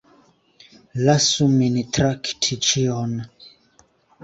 Lasu min trakti ĉion.